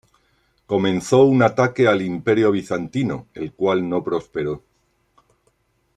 Comenzó un ataque al Imperio bizantino, el cual no prosperó.